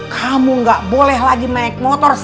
kamu gak boleh lagi naik motor